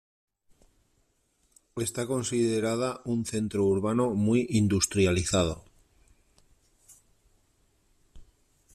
Está considerada un centro urbano muy industrializado.